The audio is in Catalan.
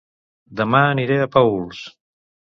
Dema aniré a Paüls